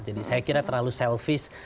jadi saya kira terlalu selfish